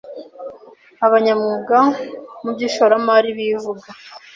abanyamyuga mu by ishoramari bivuga